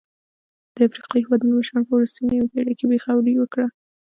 د افریقايي هېوادونو مشرانو په وروستۍ نیمه پېړۍ کې بې غوري وکړه.